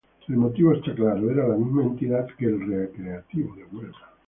El motivo estaba claro, era la misma entidad que el Recreativo de Huelva.